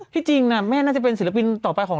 จริงแม่น่าจะเป็นศิลปินต่อไปของ